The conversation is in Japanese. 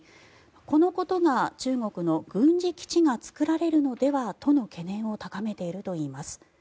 このことが中国の軍事基地が作られるのではとの懸念を高めているといいます。